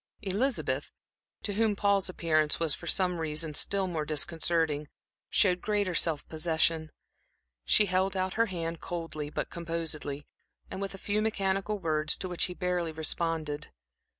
Elizabeth, to whom Paul's appearance was for some reasons still more disconcerting, showed greater self possession. She held out her hand coldly, but composedly, with a few mechanical words, to which he barely responded.